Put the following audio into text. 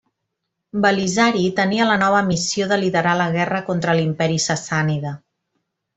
Belisari tenia la nova missió de liderar la guerra contra l'Imperi Sassànida.